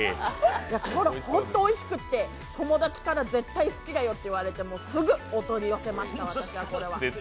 これホントおいしくって、友達から絶対好きだよって言われてすぐお取り寄せしました。